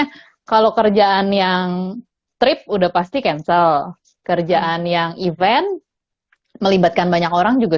karena kalau kerjaan yang trip udah pasti cancel kerjaan yang event melibatkan banyak orang juga